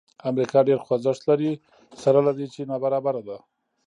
امریکا ډېر خوځښت لري سره له دې چې نابرابره ده.